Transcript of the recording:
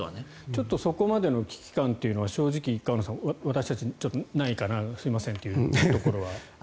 ちょっとそこまでの危機感は正直、河野さん私たちはないかなすみませんというところは。